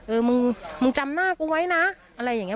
เออมึงมึงจำหน้ากูไว้นะอะไรอย่างนี้